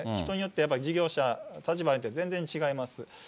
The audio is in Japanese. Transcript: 人によって、事業者、立場によって全然違います。